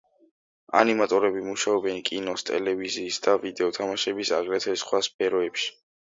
ანიმატორები მუშაობენ კინოს, ტელევიზიის და ვიდეო თამაშების, აგრეთვე სხვა სფეროებში.